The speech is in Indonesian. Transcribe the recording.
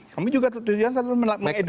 kami juga tujuan satu mengedukasi